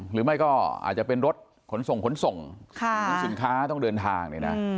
หรือไม่ก็อาจจะเป็นรถขนส่งสินค้าต้องเดินทาง